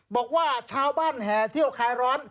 บอกว่าชาวบ้านฮ่าที่องค์ไคร้อน